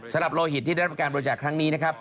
สำหรับโลหิตที่ได้รับการบริจาคครั้งนี้นะครับ